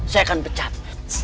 saya akan berhenti